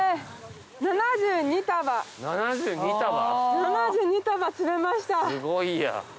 ７２束積めました！